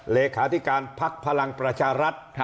เลขาธิการภักดิ์พลังประชารัฐ